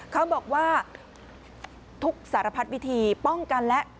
เขาบอกว่าทุกสารพัดวิธีป้องกันและ